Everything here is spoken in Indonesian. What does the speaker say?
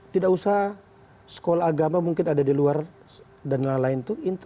tidak usah sekolah agama mungkin ada di luar dan lain lain itu